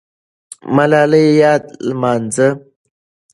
د ملالۍ یاد لمانځه.